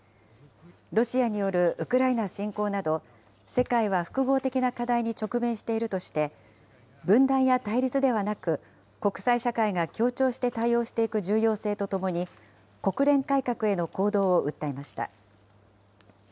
ロシアによるウクライナ侵攻など、世界は複合的な課題に直面しているとして、分断や対立ではなく、国際社会が協調して対応していく重要性とともに、国連改革への行動を訴えました。